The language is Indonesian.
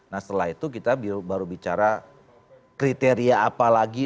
nah setelah itu kita baru bicara kriteria apa lagi